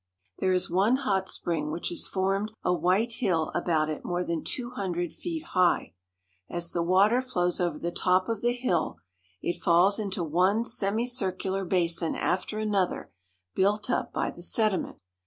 There is one hot spring which has formed a white hill about it more than two hundred feet high. As the water flows over the top of the hill, it falls into one semicircular basin after another built up by the sediment.